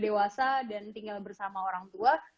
dewasa dan tinggal bersama orang tua